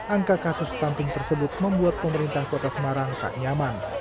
angka kasus stunting tersebut membuat pemerintah kota semarang tak nyaman